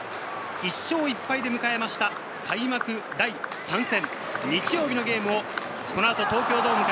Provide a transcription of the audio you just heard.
１勝１敗で迎えました開幕第３戦。